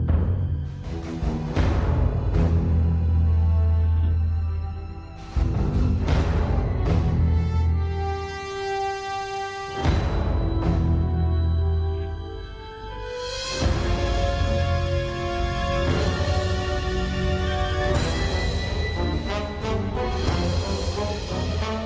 โอ้เป็นยังไงคะคุณผู้ชาย